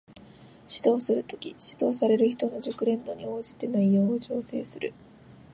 指導する時、指導される人の熟練度に応じて内容を調整する